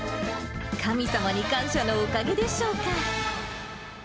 神様に感謝のおかげでしょうか。